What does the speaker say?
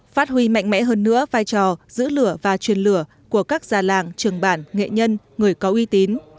phát huy mạnh mẽ hơn nữa vai trò giữ lửa và truyền lửa của các già làng trường bản nghệ nhân người có uy tín